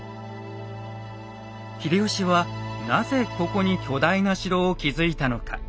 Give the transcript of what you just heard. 秀吉はなぜここに巨大な城を築いたのか。